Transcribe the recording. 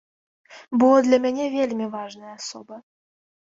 Бо для мяне вельмі важная асоба.